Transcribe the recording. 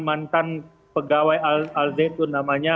mantan pegawai azzetun namanya